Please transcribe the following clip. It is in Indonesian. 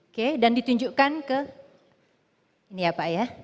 oke dan ditunjukkan ke ini ya pak ya